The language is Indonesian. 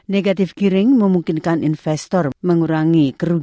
negatif gearing memungkinkan investor mengurangi kerumahan